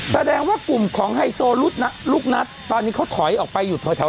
ทางกลุ่มมวลชนทะลุฟ้าทางกลุ่มมวลชนทะลุฟ้า